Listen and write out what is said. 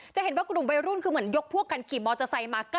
จะเห็นว่ากลุ่มวัยรุ่นคือเหมือนยกพวกกันขี่มอเตอร์ไซค์มา